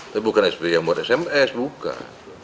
tapi bukan sbi yang buat sms bukan